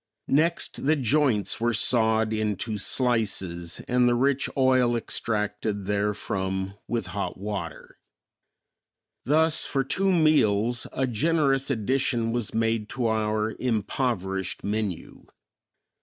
Next, the joints were sawed into slices and the rich oil extracted therefrom with hot water. Thus for two meals a generous addition was made to our impoverished menu.